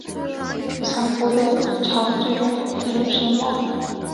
降伏的义长最终也自刃身亡。